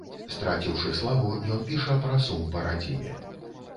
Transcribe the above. Страціўшы славу, ён піша пра сум па радзіме.